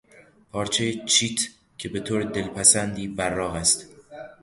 پارچهی چیت که به طور دلپسندی براق است